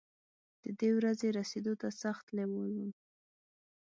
ددې ورځې رسېدو ته سخت لېوال وم.